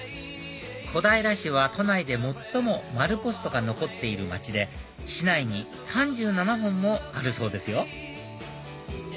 小平市は都内で最も丸ポストが残っている町で市内に３７本もあるそうですよ